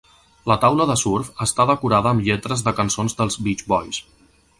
La taula de surf està decorada amb lletres de cançons dels Beach Boys.